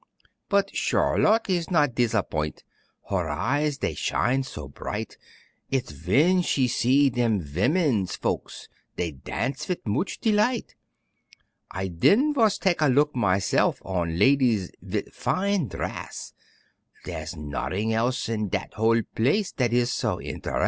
But Charlotte is not disappoint', Her eyes dey shine so bright, It's ven she sees dem vimmens folks, Dey dance vit moch delight; I den vos tak' a look myself On ladies vit fin' drass, Dere's nodding else in dat whol' place Dat is so interes'.